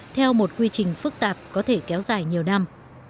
theo một quy trình phức tạp có thể kéo dài nhiều năm